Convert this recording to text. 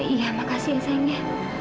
iya makasih ya sayangnya